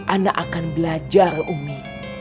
ana akan belajar umi